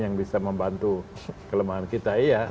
yang bisa membantu kelemahan kita iya